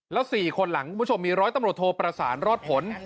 และ๔คนหลังมี๑๐๐ตำรวจทอปราสานรอดผล